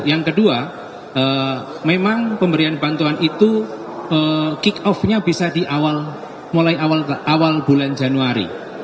yang kedua memang pemberian bantuan itu kick off nya bisa di awal mulai awal bulan januari